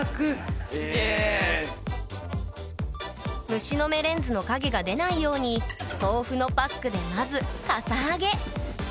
虫の眼レンズの影が出ないように豆腐のパックでまずかさ上げ。